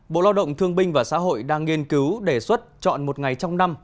bộ lao động thương binh và xã hội đang nghiên cứu đề xuất chọn một ngày trong năm